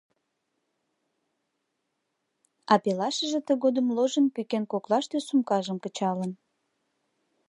А пелашыже тыгодым ложын пӱкен коклаште сумкажым кычалын.